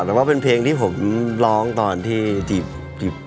แต่ว่าเป็นเพลงที่ผมร้องตอนที่จีบ